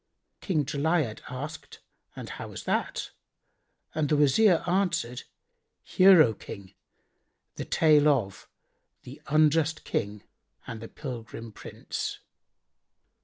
King Jali'ad asked, "And how was that?" and the Wazir answered, "Hear, O King, the tale of The Unjust King and the Pilgrim Prince.